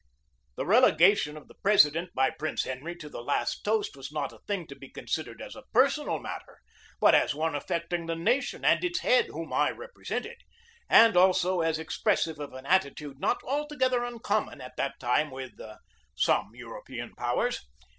The relegation of the President by Prince Henry to the last toast was not a thing to be considered as a personal matter, but as one affecting the nation and its head, whom I represented, and also as ex pressive of an attitude not altogether uncommon at that time with some European powers.